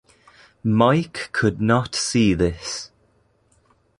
Mike could not see this.